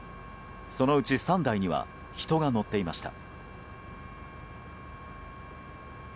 そのうち３台には人が乗っていました。